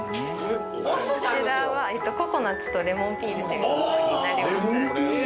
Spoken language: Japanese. こちらはココナッツとレモンピールっていうおはぎになります。